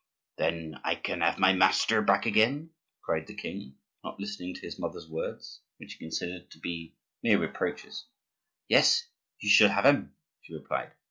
"Then I can have my master back again?" cried the king, not listening to his mother's words, which he considered to be mere reproaches. "Yes, you shall have him," she replied.